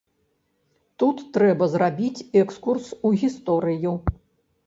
Тут трэба зрабіць экскурс у гісторыю.